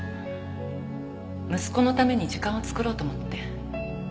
息子のために時間を作ろうと思って。